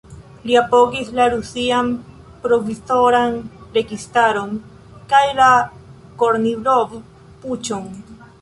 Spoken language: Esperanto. Li apogis la Rusian provizoran registaron kaj la Kornilov-puĉon.